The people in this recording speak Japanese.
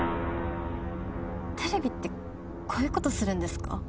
テレビってこういうことするんですか？